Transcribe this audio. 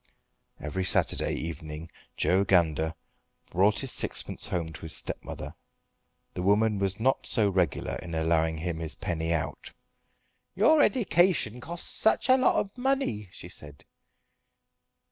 Every Saturday evening Joe Gander brought his sixpence home to his stepmother. The woman was not so regular in allowing him his penny out. "Your edication costs such a lot of money," she said.